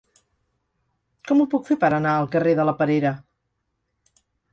Com ho puc fer per anar al carrer de la Perera?